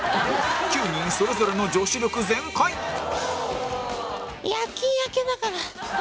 ９人それぞれの女子力全開！夜勤明けだから。